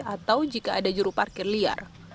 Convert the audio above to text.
atau jika ada juru parkir liar